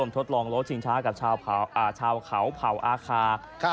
ทดลองโล้ชิงช้ากับชาวเขาเผ่าอาคา